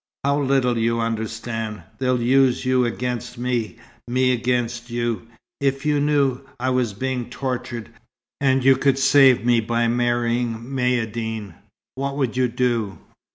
"How little you understand! They'll use you against me, me against you. If you knew I were being tortured, and you could save me by marrying Maïeddine, what would you do?"